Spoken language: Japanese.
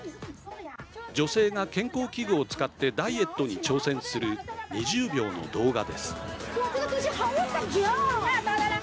女性が健康器具を使ってダイエットに挑戦する２０秒の動画です。